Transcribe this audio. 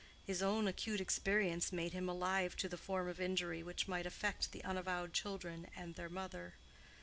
His own acute experience made him alive to the form of injury which might affect the unavowed children and their mother.